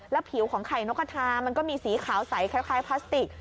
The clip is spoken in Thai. ผิวของไข่นกกระทามันก็มีสีขาวใสคล้ายพลาสติก